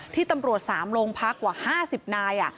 ที่ตำรวจ๓โรงพักกว่า๕๐นาย